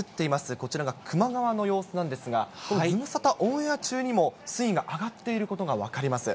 こちらが球磨川の様子なんですが、ズムサタオンエア中にも水位が上がっていることが分かります。